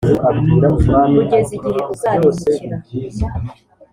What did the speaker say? kugeza igihe uzarimbukira;